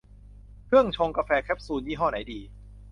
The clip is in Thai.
เครื่องชงกาแฟแคปซูล ยี่ห้อไหนดี